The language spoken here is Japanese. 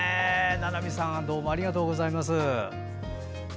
七海さんどうもありがとうございます。